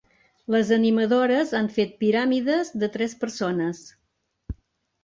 Les animadores han fet piràmides de tres persones.